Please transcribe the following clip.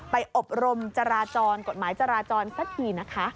อบรมจราจรกฎหมายจราจรสักทีนะคะ